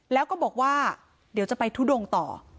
แล้วก็บอกว่าเดี๋ยวจะไปทุดงต่อ